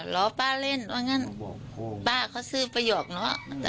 รอป้าเล่นว่างั้นป้าเขาซื้อประหอกเนอะ